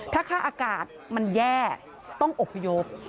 ถ้าค่าอากาศมันแย่ต้องอบพยพ